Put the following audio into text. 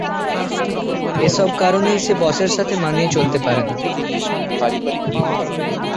এসব কারণেই সে বসের সাথে মানিয়ে চলতে পারে না।